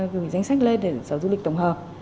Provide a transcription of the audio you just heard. gửi danh sách lên để sở du lịch tổng hợp